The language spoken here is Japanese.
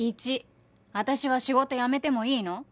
１私は仕事辞めてもいいの？